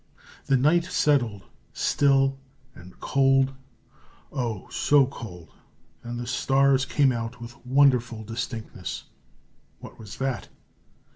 The night settled still and cold oh, so cold! and the stars came out with wonderful distinctness. What was that?